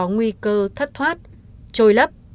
nguy cơ thất thoát trôi lấp